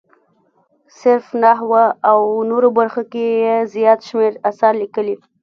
صرف، نحوه او نورو برخو کې یې زیات شمېر اثار لیکلي.